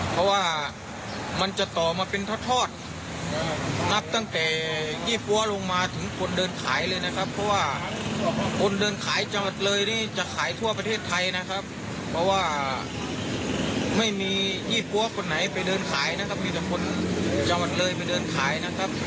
เพราะว่าไม่มียี่ปั้วคนไหนไปเดินขายนะครับมีแต่คนจังหวัดเลยไปเดินขายนะครับ